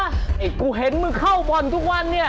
ไอ้กูเห็นมึงเข้าบ่อนทุกวันเนี่ย